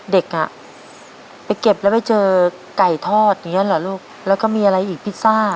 เด็กอ่ะไปเก็บแล้วไปเจอไก่ทอดอย่างเงี้เหรอลูกแล้วก็มีอะไรอีกพิซซ่า